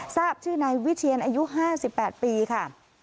ทราบชื่อนายวิเชียนอายุ๕๘ปีค่ะ